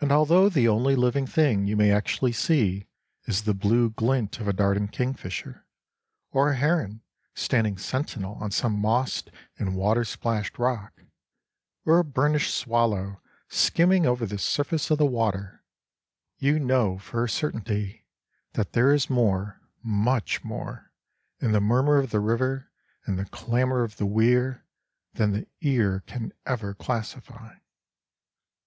And although the only living thing you may actually see is the blue glint of a darting kingfisher, or a heron standing sentinel on some mossed and water splashed rock, or a burnished swallow skimming over the surface of the water, you know for a certainty that there is more—much more—in the murmur of the river and the clamour of the weir than the ear can ever classify.